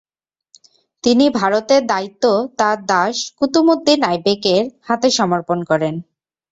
তিনি ভারতের দায়িত্ব তার দাস কুতুবউদ্দিন আইবেকের হাতে সমর্পণ করেন।